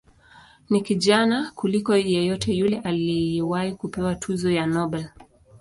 Ni kijana kuliko yeyote yule aliyewahi kupewa tuzo ya Nobel.